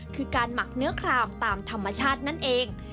คือการหมักเนื้อครามตามธรรมชาตินั่นเอง